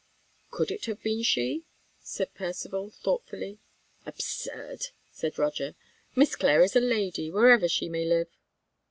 "Could it have been she?" said Percivale thoughtfully. "Absurd!" said Roger. "Miss Clare is a lady, wherever she may live."